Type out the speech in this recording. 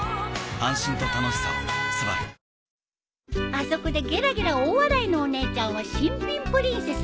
あそこでゲラゲラ大笑いのお姉ちゃんは新品プリンセス。